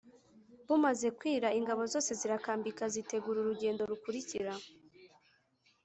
Bumaze kwira ingabo zose zirakambika zitegura urugendo rukurikira